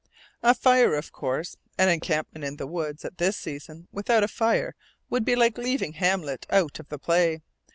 A fire, of course, an encampment in the woods at this season without a fire would be like leaving Hamlet out of the play.